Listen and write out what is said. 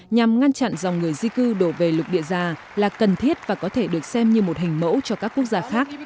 nhằm ngăn chặn dòng người di cư đổ về lục địa già là cần thiết và có thể được xem như một hình mẫu cho các quốc gia khác